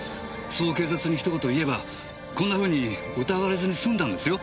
そう警察に一言言えばこんなふうに疑われずにすんだんですよ。